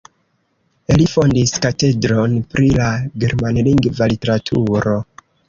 Li fondis katedron pri la germanlingva literaturo.